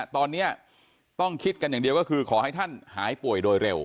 ตอนนี้ต้องคิดกันอย่างเดียวก็คือขอให้ท่านหายป่วยโดยเร็ว